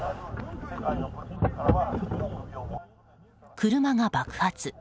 車が爆発。